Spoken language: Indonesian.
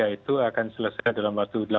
itu akan selesai dalam waktu